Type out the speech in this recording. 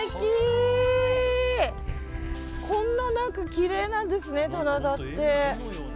こんなきれいなんですね棚田って。